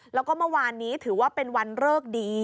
แล้วก็เมื่อวานนี้ถือว่าเป็นวันเลิกดี